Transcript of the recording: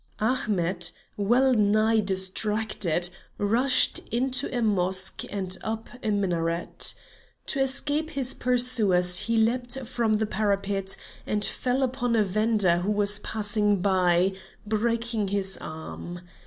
Ahmet, well nigh distracted, rushed into a mosque and up a minaret. To escape his pursuers he leaped from the parapet, and fell upon a vender who was passing by, breaking his arm.